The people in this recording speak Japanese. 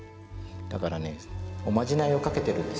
だからねおまじないをかけてるんです。